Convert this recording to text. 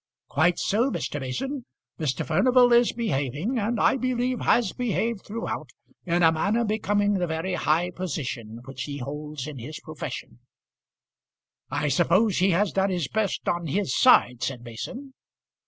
"Quite so, Mr. Mason. Mr. Furnival is behaving, and I believe has behaved throughout, in a manner becoming the very high position which he holds in his profession." "I suppose he has done his best on his side," said Mason.